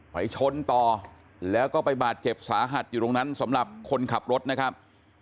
ไปชนต่อแล้วก็ไปบาดเจ็บสาหัสอยู่ตรงนั้นสำหรับคนขับรถนะครับ